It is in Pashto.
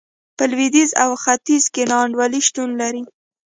په لوېدیځ او ختیځ کې نا انډولي شتون لري.